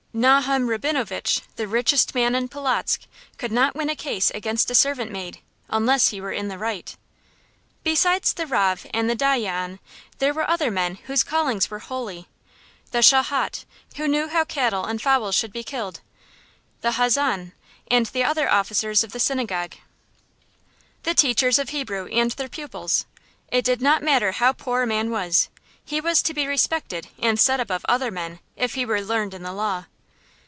Nohem Rabinovitch, the richest man in Polotzk, could not win a case against a servant maid, unless he were in the right. Besides the rav and the dayyan there were other men whose callings were holy, the shohat, who knew how cattle and fowls should be killed; the hazzan and the other officers of the synagogue; the teachers of Hebrew, and their pupils. It did not matter how poor a man was, he was to be respected and set above other men, if he were learned in the Law.